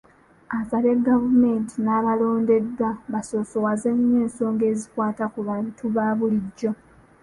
Asabye gavumenti n'abalondeddwa basoosowaze nnyo ensonga ezikwata ku bantu baabulijjo